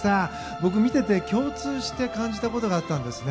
僕、見ていて共通して感じたことがあったんですね。